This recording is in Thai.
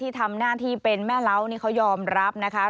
ทำหน้าที่เป็นแม่เล้านี่เขายอมรับนะคะ